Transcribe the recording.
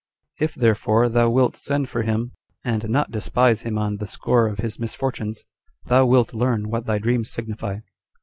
"If, therefore, thou wilt send for him, and not despise him on the score of his misfortunes, thou wilt learn what thy dreams signify."